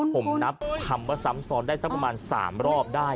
ผมนับคำว่าซ้ำซ้อนได้สักประมาณ๓รอบได้